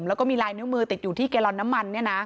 แล้วก็มีลายนิ้วมือติดอยู่ที่แกลลอนน้ำมัน